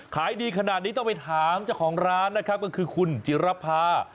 ขายดีขนาดนี้ต้องไปถามเจ้าของร้านนะครับก็คือคุณจิรภา